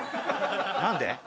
何で？